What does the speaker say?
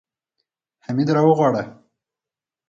حميد راوغواړه.